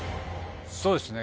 そうですね